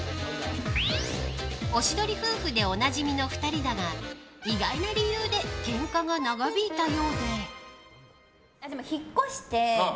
おしどり夫婦でおなじみの２人だが意外な理由でケンカが長引いたようで。